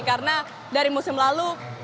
karena dari musim lalu